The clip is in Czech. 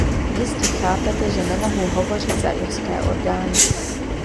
Jistě chápete, že nemohu hovořit za irské orgány.